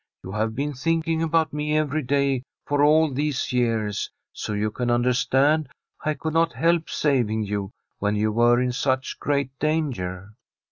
* You have been thinking about me every day for all these years ; so you can understand I could not help saving you when you were in such great danger.